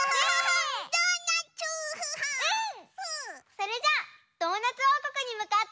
それじゃあドーナツおうこくにむかって。